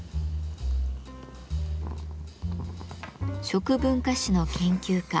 食文化史の研究家